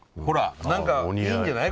何かいいんじゃない？